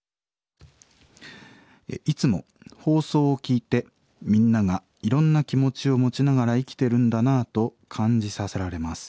「いつも放送を聴いてみんながいろんな気持ちを持ちながら生きてるんだなと感じさせられます。